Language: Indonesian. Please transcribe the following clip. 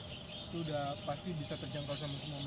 itu udah pasti bisa terjangkau sama semuanya